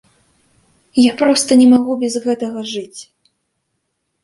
Я проста не магу без гэтага жыць.